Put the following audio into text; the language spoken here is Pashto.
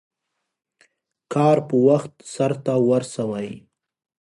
کار په وخت سرته ورسوئ.